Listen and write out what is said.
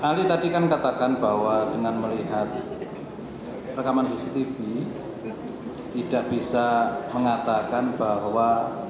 ahli tadi kan katakan bahwa dengan melihat rekaman cctv tidak bisa mengatakan bahwa